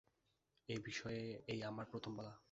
এ-বিষয়ে এই আমার প্রথম বলা।